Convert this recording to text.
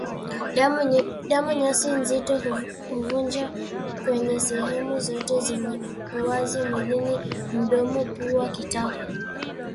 Damu nyeusi nzito kuvuja kwenye sehemu zote zenye uwazi mwilini mdomo pua kitako